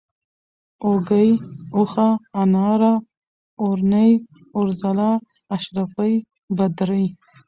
اوږۍ ، اوښکه ، اناره ، اورنۍ ، اورځلا ، اشرفۍ ، بدرۍ